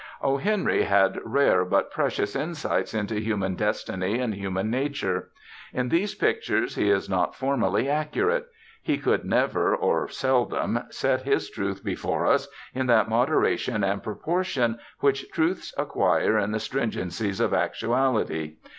O. Henry had rare but precious insights into human destiny and human nature. In these pictures he is not formally accurate; he could never or seldom set his truth before us in that moderation and proportion which truths acquire in the stringencies of actuality.